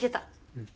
うん。